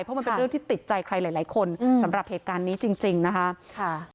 เพราะมันเป็นเรื่องที่ติดใจใครหลายคนสำหรับเหตุการณ์นี้จริงนะคะ